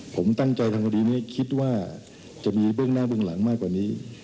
ผมตั้งใจทำคดีนี้คิดว่าจะมีเบื้องหน้าเบื้องหลังมากกว่านี้